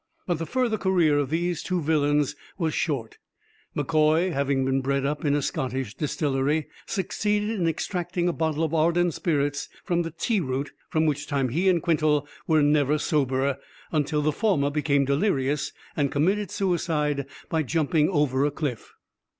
But the further career of these two villains was short. M'Koy, having been bred up in a Scottish distillery, succeeded in extracting a bottle of ardent spirits from the tee root; from which time he and Quintal were never sober, until the former became delirious, and committed suicide by jumping over a cliff.